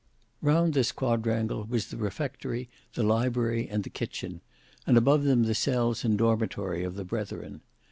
Round this quadrangle was the refectory, the library and the kitchen, and above them the cells and dormitory of the brethren.